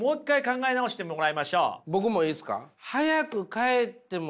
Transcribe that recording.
僕もいいですか？